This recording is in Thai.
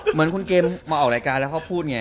เหมือนคุณเกมมาออกรายการแล้วเขาพูดไง